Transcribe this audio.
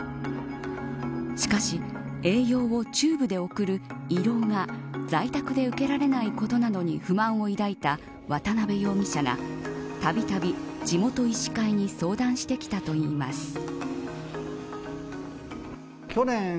しかし、栄養をチューブで送る胃ろうが在宅で受けられないことなどに不満を抱いた渡辺容疑者がたびたび地元医師会に相談してきたといいます。